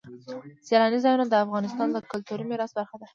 سیلاني ځایونه د افغانستان د کلتوري میراث برخه ده.